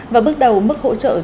và bước đầu mức hỗ trợ cho mỗi người